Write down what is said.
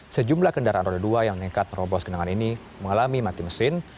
sejumlah kendaraan roda dua yang nekat merobos genangan ini mengalami mati mesin